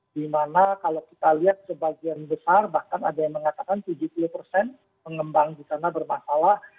di mana kalau kita lihat sebagian besar bahkan ada yang mengatakan tujuh puluh persen pengembang di sana bermasalah